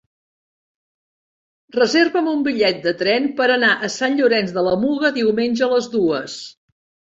Reserva'm un bitllet de tren per anar a Sant Llorenç de la Muga diumenge a les dues.